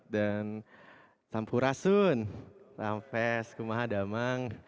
dan sampurasun rampes kumahadamang